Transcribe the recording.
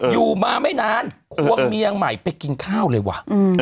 อยู่มาไม่นานควงเมียใหม่ไปกินข้าวเลยว่ะ